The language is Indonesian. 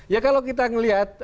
ya kalau kita melihat